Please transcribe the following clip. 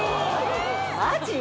マジ？